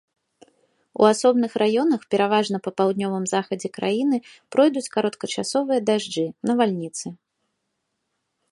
У асобных раёнах, пераважна па паўднёвым захадзе краіны, пройдуць кароткачасовыя дажджы, навальніцы.